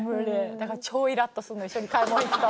だから超イラっとするの一緒に買い物行くと。